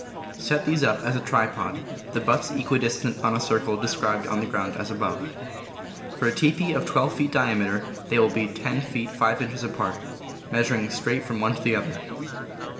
Set these up as a tripod, the butts equidistant on a circle described on the ground as above. For a teepee of 12 feet diameter they will be 10 feet 5 inches apart, measuring straight from one to the other.